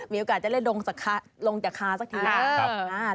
มีโอกาสจะได้ลงจากค้าสักทีแล้ว